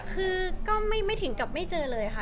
คือก็ไม่ถึงกับไม่เจอเลยค่ะ